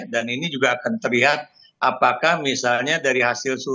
dan ini juga akan terlihat apakah misalnya dari hasil survei